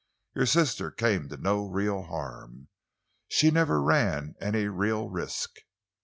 Your sister came to no real harm. She never ran any real risk."